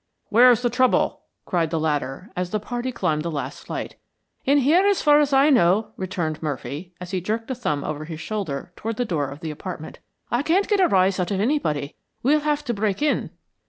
"Where's the trouble?" cried the latter, as the party climbed the last flight. "In here, as far as I know," returned Murphy, as he jerked a thumb over his shoulder toward the door of the apartment. "I can't get arise out of anybody. We'll have to break in."